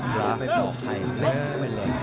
หรือไม่บอกใครเลย